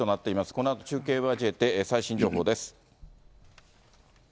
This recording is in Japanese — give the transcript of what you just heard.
このあと中継を交えて、最新情報です。